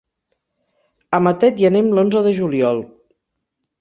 A Matet hi anem l'onze de juliol.